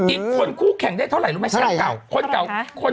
อีกคนคู่แข่งได้เท่าไหร่รู้ไหมแชมป์เก่าคนเก่า